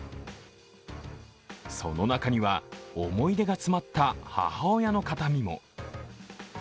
その中には、思い出が詰まった母親の形見も。